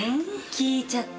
聞いちゃった。